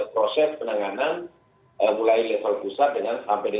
proses penanganan mulai level pusat sampai dengan level daerah